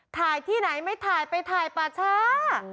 ถ่ายที่ไหนไม่ถ่ายไปถ่ายป่าช้า